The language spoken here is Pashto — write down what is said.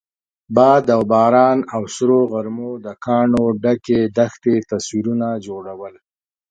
باد او باران او سرو غرمو د کاڼو ډکې دښتې تصویرونه جوړول.